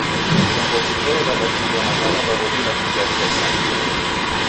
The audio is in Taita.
Vilongozi toe w'adachuria mashano ghaw'o bila kujali w'aisanga!